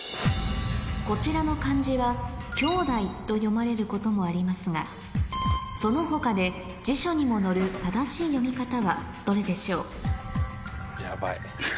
こちらの漢字は「きょうだい」と読まれることもありますがその他で辞書にも載る正しい読み方はどれでしょう？